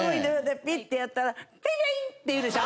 ピッてやったら「ＰａｙＰａｙ」って言うでしょ。